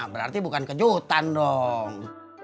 berarti bukan kejutan dong